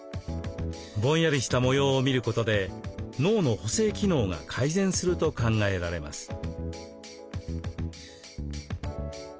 ぼんやりした模様を見ることで脳の補正機能が改善すると考えられます。